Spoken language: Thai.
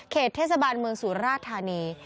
เขตเทศบาลเมืองศูนย์ราชธานี